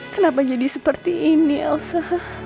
kenapa jadi seperti ini elsa